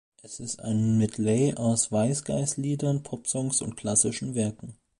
Es ist ein Medley aus Wise-Guys-Liedern, Popsongs und klassischen Werken.